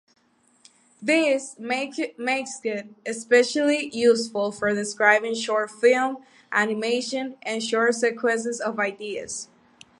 This makes it especially useful for describing short film, animation and short sequence ideas.